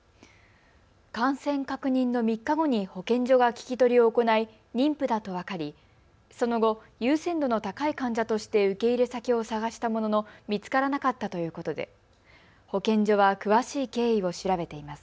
感染確認の３日後に保健所が聞き取りを行い妊婦だと分かりその後、優先度の高い患者として受け入れ先を探したものの見つからなかったということで保健所は詳しい経緯を調べています。